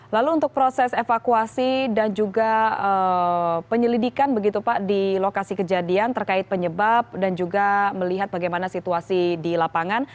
lalu untuk proses evakuasi dan juga penyelidikan begitu pak di lokasi kejadian terkait penyebab dan juga melihat bagaimana situasi di lapangan